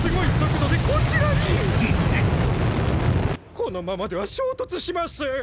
このままでは衝突します。